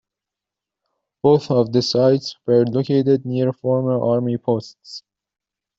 Both of the sites were located near former Army posts.